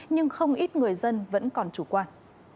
nhưng không ít người dân vẫn còn chủ quan